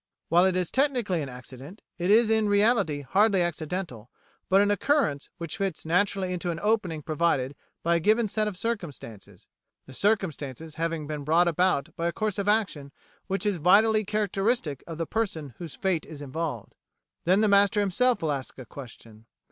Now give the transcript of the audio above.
While it is technically an accident, it is in reality hardly accidental, but an occurrence which fits naturally into an opening provided by a given set of circumstances, the circumstances having been brought about by a course of action which is vitally characteristic of the person whose fate is involved. Then the master himself will ask a question.